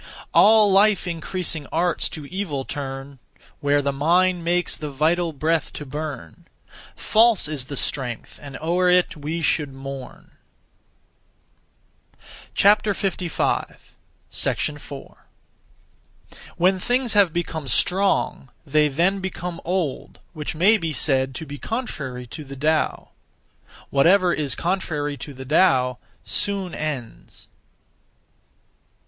All life increasing arts to evil turn; Where the mind makes the vital breath to burn, (False) is the strength, (and o'er it we should mourn.) 4. When things have become strong, they (then) become old, which may be said to be contrary to the Tao. Whatever is contrary to the Tao soon ends.